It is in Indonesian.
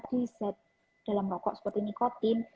di set dalam rokok seperti nikotin